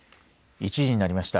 １時になりました。